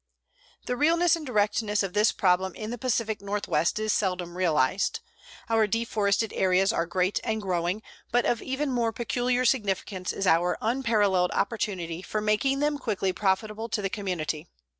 The realness and directness of this problem in the Pacific Northwest is seldom realized. Our deforested areas are great and growing, but of even more peculiar significance is our unparalleled opportunity for making them quickly profitable to the community.